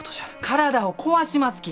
体を壊しますき！